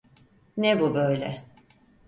Ne bu böyle?